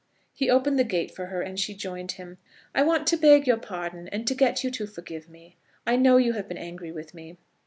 He opened the gate for her, and she joined him. "I want to beg your pardon, and to get you to forgive me. I know you have been angry with me."